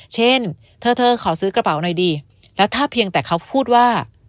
เช่นเธอขอซื้อกระเป๋าหน่อยดีแล้วถ้าเพียงแต่เขาพูดว่า